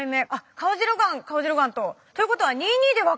カオジロガンカオジロガンと。ということは２・２で分かれました。